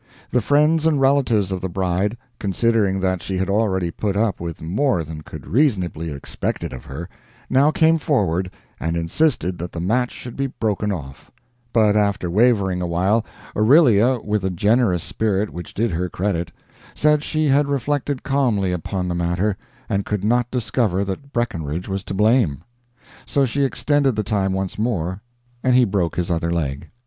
The friends and relatives of the bride, considering that she had already put up with more than could reasonably be expected of her, now came forward and insisted that the match should be broken off; but after wavering awhile, Aurelia, with a generous spirit which did her credit, said she had reflected calmly upon the matter, and could not discover that Breckinridge was to blame. So she extended the time once more, and he broke his other leg.